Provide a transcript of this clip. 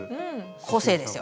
個性ですよ。